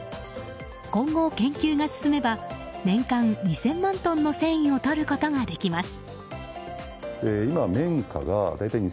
今後、研究が進めば年間２０００万トンの繊維をとることができます。